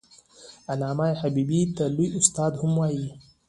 علامه حبيبي ته لوى استاد هم وايي.